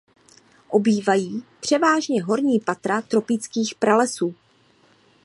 Obývají převážně horní patra tropických pralesů.